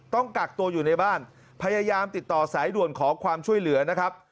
ต้องกักตัวอยู่ในบ้านพยายามติดต่อสายด่วนขอความช่วยเหลือนะครับ